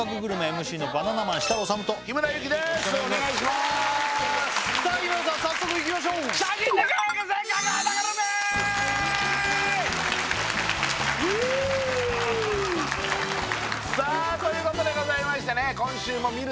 ＭＣのバナナマン設楽統と日村勇紀ですお願いしますさあ日村さん早速いきましょうさあということでございましてね